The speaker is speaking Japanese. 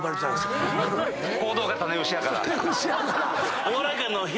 行動が種牛やから。